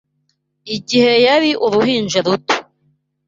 Igihe yari uruhinja ruto